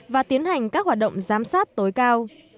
và tiến hành các hoạt động giám sát tối cao